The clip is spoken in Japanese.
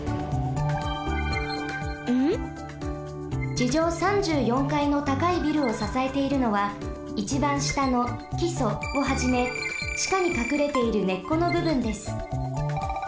ちじょう３４かいのたかいビルをささえているのはいちばんしたのきそをはじめちかにかくれている根っこのぶぶんです。